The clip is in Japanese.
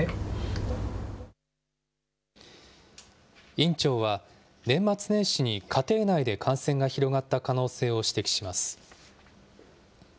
院長は、年末年始に家庭内で感染が広がった可能性を指摘します。